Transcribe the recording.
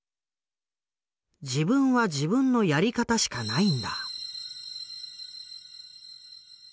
「自分は自分のやり方しかないんだ」。